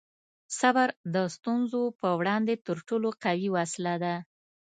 صبر د ستونزو په وړاندې تر ټولو قوي وسله ده.